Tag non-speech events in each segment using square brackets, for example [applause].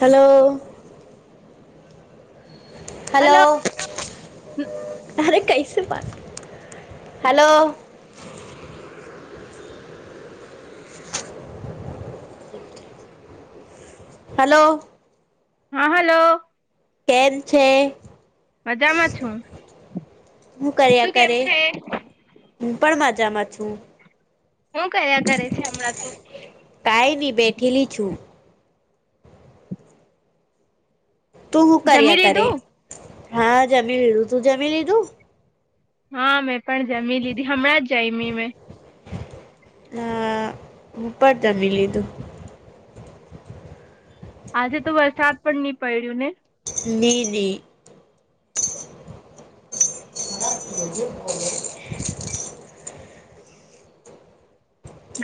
Hello. Hello હરે કૈસમાં. Hello. [inaudible] [unintelligible] Hello. હા હલો. કેમ છે. મજામાં છું હું કર્યા તું કેમ કરે છે. હું પણ મજામાં છું. હું કર્યા કરે છે હમણાં તો? કાઈની બેઠેલી છું. તું શું જમી કર્યા કરે લીધું હા જમી લીધું તું જમી લીધું. હા મેં પણ જમી લીધી હમણાં જાય મી મેં. મુપત દમેી લીધું. આજે તો વરસાદ પણ નહી પડ્યું ને. નીલી. જ.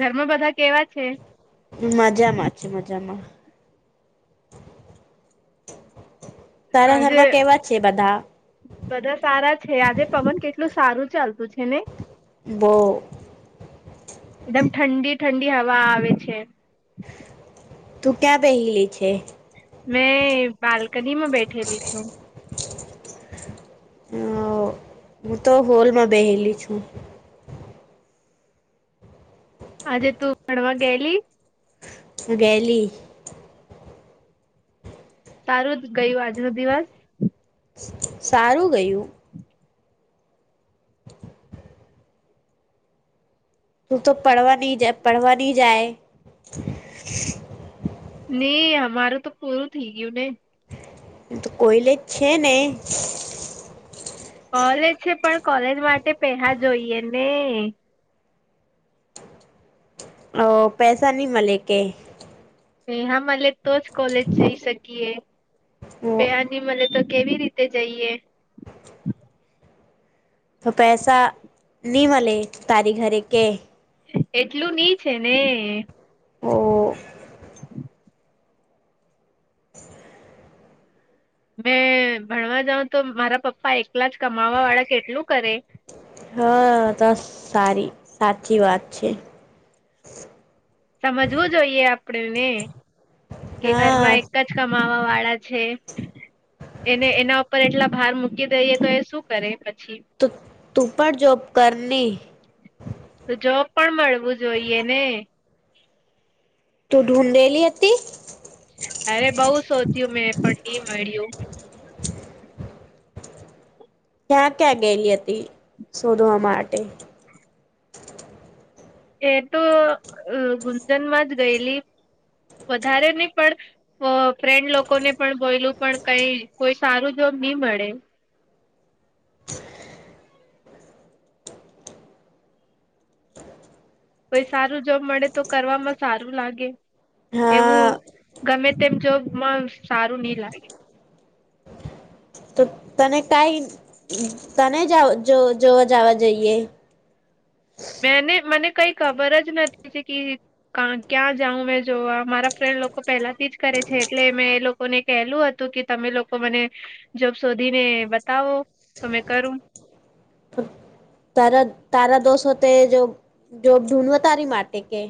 ઘરમાં બધા કેવા છે. મજામાં છે મજામાં. તારા આજે ઘરમાં કેવા છે બધા. બધા સારા છે આજે પવન કેટલું સારું ચાલતું છે ને. બો. એકદમ ઠંડી ઠંડી હવા આવે છે. તું ક્યાં પહેલી છે. મેં બાલ્કની માં બેઠેલી છું. હ હું તો હોલમાં બેહેલી છું. આજે તું ભણવા ગયેલી. વહેલી. સારું જ ગયું આજનો દિવસ. સારું ગયું. તું તો પડવા નહી જ પડવા નહી જાય. નઈ અમારું તો પૂરું થઈ ગયું ને. તો કોઈલે જ છે ને. કોલેજ છે પણ કોલેજ માટે પેહા જોઈએ ને. ઓ પૈસા નહી મળે કે. હ હા અ તો જ કોલેજ જઈ શકીએ. મળે તો કેવી રીતે જઈએ. તો પૈસા નહીં મળલેે તારી ઘરે કે એટલું ની છેને. હો મેં ભણવા જાઉં તો મારા પપ્પા એકલા જ કમાવા વાળા કેટલું કરે હ બસ સારી સાચી વાત છે. સમજવું જોઈએ આપડેને કે હા ઘરમાં એક જ કમાવા વાળા છે. એને એના ઉપર એટલા ભાર મૂકી દઈએ તો એ શું કરે પછી તો ટૂ પણ જોબ કરની તો જોબ પણ મળવું જોઈએ ને તું ઢૂઢેલી હતી. અરે બઉ સોધ્યું મેં પણ મળ્યું ક્યાં ક્યાં ગયેલી હતી શોધવા માટે એ તો ગુંજનમાં જ ગયેલી વધારે નહી પણ ફ્રેન્ડ લોકોને પણ બોયલું પણ કઈ કોઈ સારું જોબ નહી, મળે કોઈ સારું જોબ મળે તો કરવામાં સારું લાગે એવું હા ગમે તેમ જોબમાં સારું નહ લાગે તો તને કઈ તને જ જો જોવા જવા જઈએ મેને મને કઈ ખબર જ નથી કે ક્યાં જાઉં મેં જોવા મારા ફ્રેન્ડ લોકો પહેલાથી જ કરે છે, એટલે મેં એ લોકો લોકોને કહેલું હતું કે તમે લોકો મને જોબ શોધીને બતાવો તો મે કરું તારા તારા દોષ હોતે જો જો ઢઢવ તારી માટી કે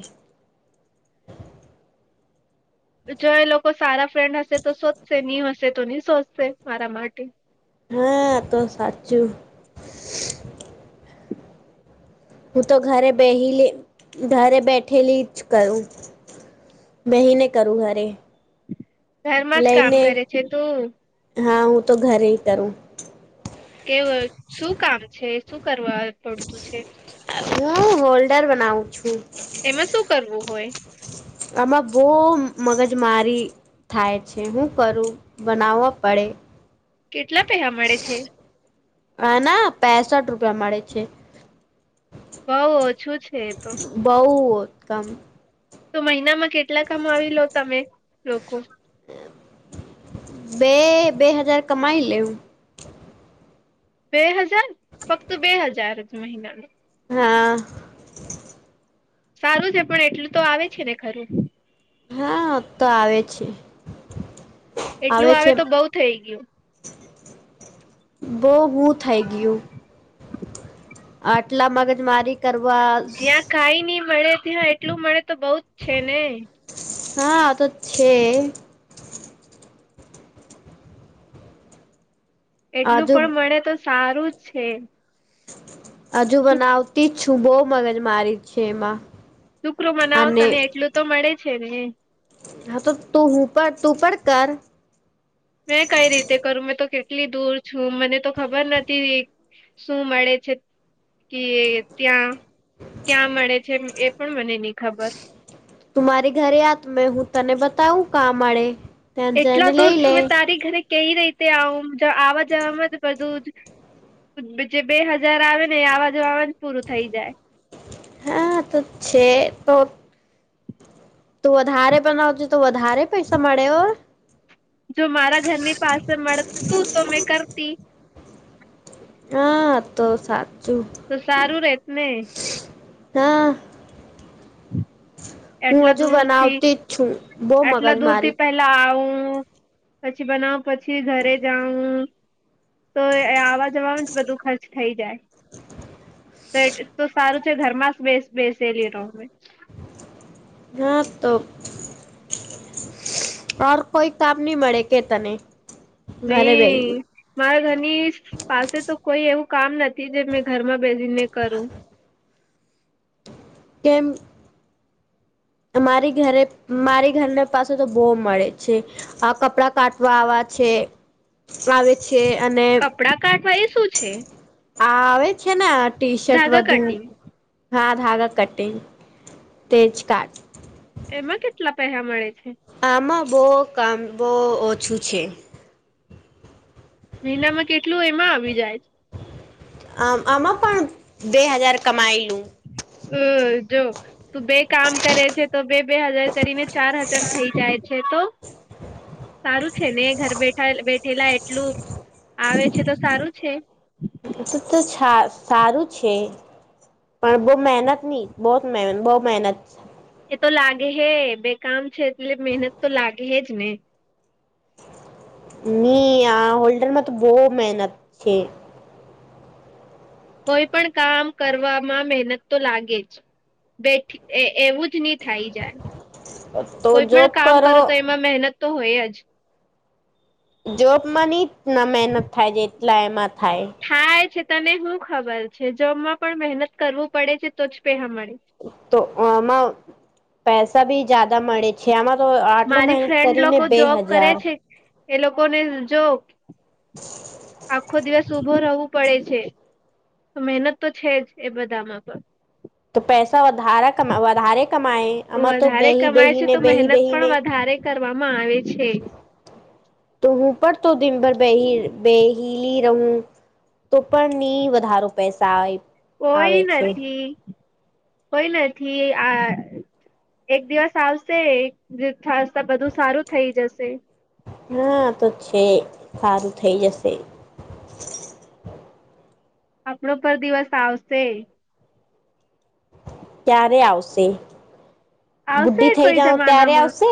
જો એ લોકો સારા ફ્રેન્ડ હશે તો સોધશે નહી હશે તો નહી સોચશે મારા માટે હા તો સાચું. હું તો ઘરે બેહીલી ઘરે બેઠેલી જ કરું- બહીને કરું ઘરે ઘરમાં જ કામ લઈને કરે છે, તુ હા હું, તો ઘરે હ કરું કેવ શું કામ છે શું કરવા પડતું છે. હું હોલ્ડર બનાવું છું. એમાં શું કરવું હોય આમાં બહુ મગજમારી થાય છે હું કરું બનાવવા પડે કેટલા પેહ મળે છે. હા ના પસઠ રૂપિયા મળે છે. બઉ ઓછું છે, તો બહુત્તમ તો મહિનામાં કેટલા કામ આવી લો તમે લોકો- બે બે હજાર કમાઈ લેવું બે હજાર ફક્ત બે હજાર જ મહિના ન હા સારું છે પણ એટલું તો આવે છે, ને ખરું હા તો આવે છે. એટલું આવે તો બઉુ થઈ ગયુ બોવુ થઇ ગયુ આટલા મગજમારી કરવા કાઈ નઈ મળે ત્યાં એટલું મળે તો બઉ જ છને હા તો છે. એટલું આજુ પણ મળે તો સારું જ છે. હજુ બનાવતી જ છું બહુ મગજ મારી છે, એમાં શુકરો મનાવો અને તને એટલું તો મળે છે ને. હા તો તું હુંર તું પ કર મેં કઈ રીતે કરું મેં તો કેટલી દૂર છું મને તો ખબર નથી. શું મળે છે. કે ત્યાં ક્યાં મળે છે, એ પણ મને નહી ખબર તું મારી ઘરે આત મે હું તને બતાવું કા મળે ત્યાં એટલા જઈને દૂર લઈ થી લે મેં તારી ઘરે કઈ રહીતે આવ આવવા જવાવામાં જ બધું જ જે બે હજાર આવે ને એ આવાજવાને પૂરું થઈ જાય હા તો છે, તો તું વધારે બનાવજુ તો વધારે પૈસા મળે હો જો મારા ઘરની પાસે મળતું તો મેં કરતી હા તો સાચું તો સારું રત ને હા હું એટલા હજુ દૂર થી બનાવતી જ છું બો એટલા મગજ દૂર મારી થી પહેલા પેલા આવું પછી બનાવ પછી ઘરે જઉું તો આવવા જવાનું જ બધું ખર્ થઈ જાય તો એ તો સારું છે ઘરમાં જ બેસ બેસેલી રહમે. સાંત કોઈ કામ નહી મળે કે તને ઘરે બેહી [unintelligible] મારા ઘરની પાસે તો કોઈ એવું કામ નથી જે મેં ઘરમાં બેસી ને કરું તેમમ મારી ઘરે મારી ઘરના પાસે તો બો મળે છે. કપડા કાટવા આવે છે આવે છે, અને કપડાં કાઢવા એ શું છે. આ આવે છે ને ટી શર્ટ ધાગા બુ કટિંગ હા ધાગા કટટે તેજ કઢ એમાં કેટલા પેસા મળે છે. આમાં બહુ કામ બહુ ઓછું છે. મહિનામાં કેટલું એમાં આવી જાય છે. આ આમાં પણ બે હજાર કમાયેલું હ જો તું બે કામ કરે છે તો બે બે હજાર કરીને ચાર હજાર થઈ જાય છે. છે તો સારું છે ને ઘર બેઠા બેઠેલા એટલું આવે છે તો સારું છે. તો તો સારું છે. પણ બહુ મહેનત નની બહ બહુ મહેનત એ તો લાગે હે બે કામ છે એટલે મહેનત તો લાગે હેજ ને મી આ હોલ્ડર માં તો બહુ મહેનત છે. કોઈ પણ કામ કરવામાં મહેનત તો લાગે જ બેઠી એવું જ નહી થાય જાય તો કોઈ જોબ પણ કામ કરો તો એ માં મહેનત તો હોય જ જોબમાં હટ ના મહેનત થાય જેટલા એમાં થાય થાય છે તને શું ખબર છે, જોમાં પણ મહેનત કરવું પડે છે તો જ પેહા મળે તો આમાં પૈસા ભી જદા મળે છે. છેમાં તો આટલ મારી મહેનત ફ્રેન્ડ કરીને લોકો બે જોબ કરે હજાર છે એ લોકો ને જો આખો દિવાસ શુભો રવું પડે છે મહેનત તો છે, જ એ બધામાં પણ તો પૈસા વધારા ક વધારે કમાએ પણ અ તો વધારે બેહી કમાય છે બેહીને તો બેહી મહેનત બેહીને પણ વધારે કરવામાં આવે છે. તો હું પણર તો દનભર બેહી બેહલી રહુ તો પણ નહી વધારો પૈસા આવે કોઈ છે નથી. કોઈ નથી આ એક દિવસ આવશે જે થાસતા બધું સારું થઇ જશે હા તો છે સારું થઈ જશે આપણો પર દિવસ આવશે ત્યારે આવશે આવશે બુધિ થઇ કોઈ જાાવ ત્યારે જમાનામાં આવશે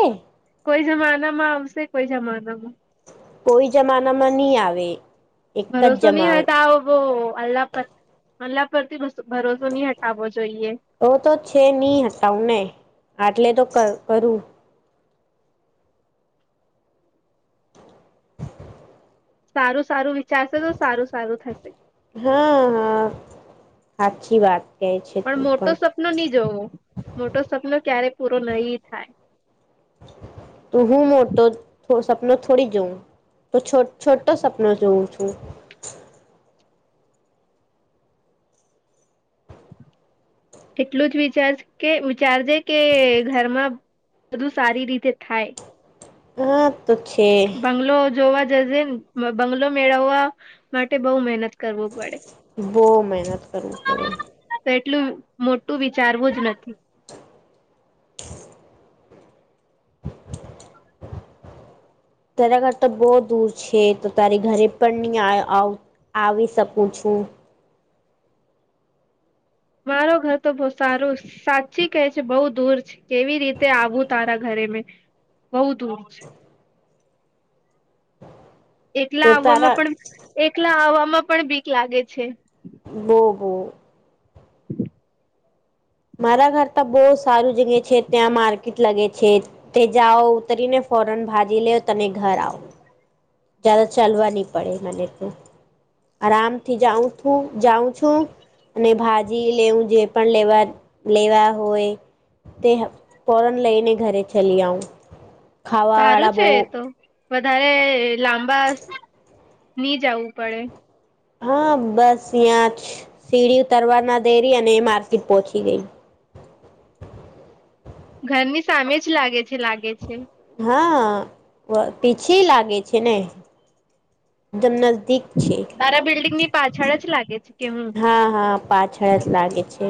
કોઈ જમાનામાં આમસે કોઈ જમાનામાં કોઈ જમાના માં નહી આવે- એક જ ભરોસો નહી, જમા હોય તો આવ બ અલ્લાહ પર અલ્લાહ પરથી ભરોસો નહી હટાવવો જોઈએ ઓ તો છે, નહી હતા હું ને આટલે તો કરું સારું સારું વિચારશે તો સારું સારું થશે હા, હા સાચચી વાત કહે છે પણ તું મોટો સપનો નહી, જોવો મોટો સપનો ક્યારે પૂરો નહી થાય. તું હું મો તો સપનો થોડી જોઉ તો છોટો સપનો જોઉં છુ. એટલું જ વિચાર કે વિચારજે કે ઘરમાં બધું સારી રીતે થાય હ તો છે. બંગલો જોવા જશેે બંગલો મેળવવા માટે બહુ મહેનત કરવું પડે બહ મહેનત કરવીું પડે તો એટલું મોટું વિચારવું જ નથી. તરા ઘર તો બહ દૂર છે તો તારી ઘરે પણ નહી. આવી શકું છુ. મારો ઘર તો બહ સારું જ સાચી કેહે છે બઉુ દૂર છે કેવી રીતે આવું તારા ઘરે મેં બઉ દ છે. તો એકલા આવવામાં તારા પણ એકલા આવવામાં પણ બીક લાગે છે. બો-બો મારા ઘર તો બહ સારું જગ્યા છે ત્યાં માર્કેટ લગે છે. તે જાઓ ઉતરી ને ફોરન ભાજી લેવ તને ઘર આવો જદ ચાલવા નહી પડે મને તો આરામથી જાઉંું જાઉં છુ. અને ભાજી લેવું જે પણ લેવા લેવા હોય. તે પોરન લઈને ઘરે, ચલી આવું ખાવા સારું વાળા છે એ બહ તો વધારે લાંબા નહી જવું પડે હા, બસ યાં સીડી ઉતરવા ના દેરી અને માર્કેટ પોહોંચી ગઈ ઘરની સામે જ લાગે છે લાગે છે. હા, પીછી લાગે છેને એકદમ નજદીક છે. તારા બિલ્ડિંગ ની પાછળ જ લાગે છે. કે હું હા હા પાછળ જ લાગે છે.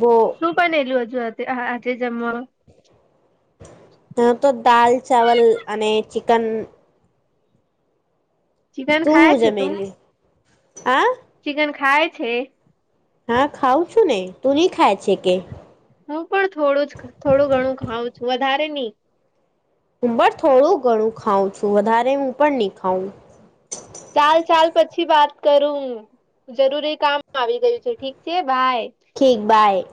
બો શું પણ એલું હજુ આજે જમવા હ, તો દાલ ચાવલ અને ચિકન ચિકન તું ખાય હું છે તું જમલી હ ચિકન ખાય છે. હા, ખાઉ છું ને? તુની ખાય છે કે? હું પણ થોડું જ, થોડું ઘણું ખઉં છું. વધારે નહીં. હું પણ થોડું ઘણું ખાઉં છું. વધારે હું પણ નહીં ખાઉં. ચાલ, ચાલ. પછી વાત કરું. જરૂરી કામ આવી ગયું છે. ઠીક છે ભાઈ. ઠીક, બાય.